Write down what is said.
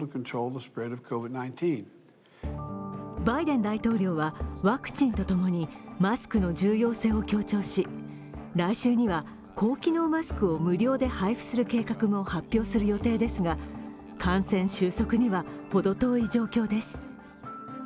バイデン大統領はワクチンとともにマスクの重要性を強調し、来週には高機能マスクを無料で配布する計画も発表する予定ですが感染収束にはほど遠い状況です。